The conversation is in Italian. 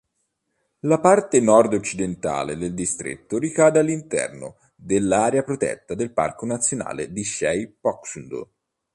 La parte nord-occidentale del distretto ricade all'interno dell'area protetta del Parco nazionale di Shey-Phoksundo.